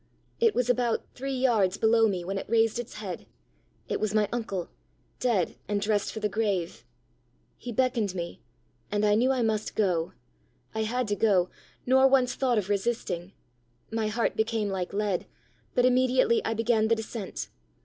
It was about three yards below me, when it raised its head: it was my uncle, dead, and dressed for the grave. He beckoned me and I knew I must go; I had to go, nor once thought of resisting. My heart became like lead, but immediately I began the descent.